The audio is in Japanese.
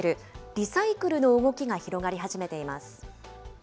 リサイクルの動きが広がり始めています。